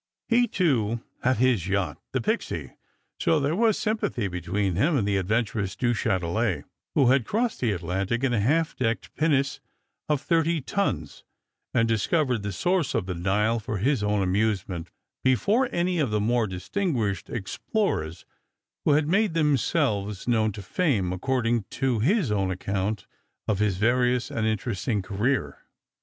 He, too, had his yacht, the Pixy ; so there was sympathy between him and the adventurous Du Chatolet, who had crossed the Atlantic in a half decked pinnace of thirty tons, and discovered the scource of the Nile for his own amusement, before any of the more distinguished explorers who have made themselves known to fame, according to his own account of his various and interesting career.